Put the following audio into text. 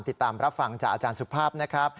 ติดตามรับฟังจากอาจารย์สุภาพนะครับ